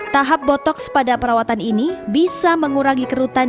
tahap botoks pada perawatan ini bisa mengurangi kerutan